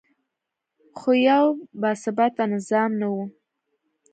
خو یو باثباته نظام نه و